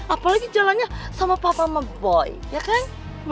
apalagi jalannya sama papa meboy ya kan